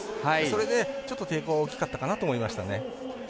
それで、ちょっと抵抗が大きかったかなと思いましたね。